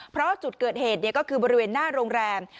เพราะจุดเกิดเหตุก็คือบริเวณหน้าโรงแรม